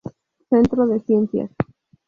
Centro de Ciencias